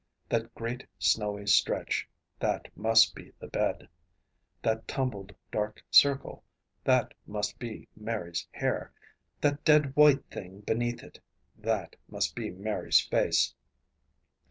That great snowy stretch, that must be the bed. That tumbled dark circle, that must be Mary's hair. That dead white thing beneath it, that must be Mary's face.